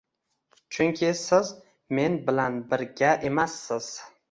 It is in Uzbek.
Chunki siz men bilan birga emassiz.